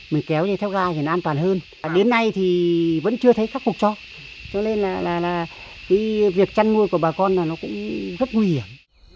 mình kéo như theo gai thì nó an toàn hơn đến nay thì vẫn chưa thấy khắc phục cho cho nên là cái việc chăn nuôi của bà con là nó cũng rất nguy hiểm